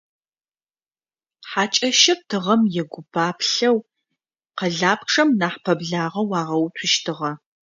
Хьакӏэщыр тыгъэм егупаплъэу къэлапчъэм нахь пэблагъэу агъэуцущтыгъэ.